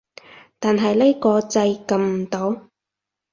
但係呢個掣撳唔到